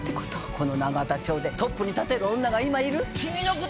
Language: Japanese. この永田町でトップに立てる女がいる？